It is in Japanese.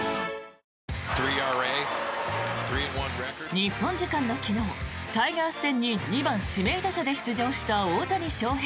日本時間の昨日タイガース戦に２番指名打者で出場した大谷翔平。